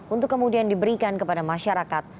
untuk kemudian diberikan kepada masyarakat